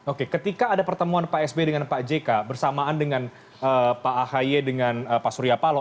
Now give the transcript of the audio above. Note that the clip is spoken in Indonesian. oke ketika ada pertemuan pak s b dengan pak j k bersamaan dengan pak a h y dengan pak surya palo